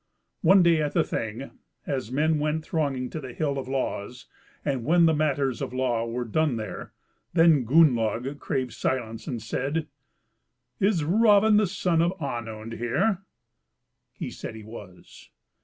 One day at the Thing, as men went thronging to the Hill of Laws, and when the matters of the law were done there, then Gunnlaug craved silence, and said: "Is Raven, the son of Onund, here?" He said he was.